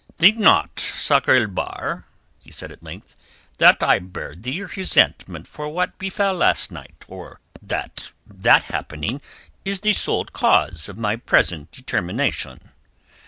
"Think not, Sakr el Bahr," he said at length, "that I bear thee resentment for what befell last night or that that happening is the sole cause of my present determination.